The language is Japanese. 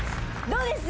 どうです？